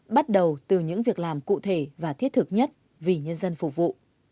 bắt đầu từ những việc làm cụ thể và thiết thực nhất vì nhân dân phục vụ